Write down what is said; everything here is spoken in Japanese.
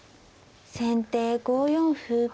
先手５四歩。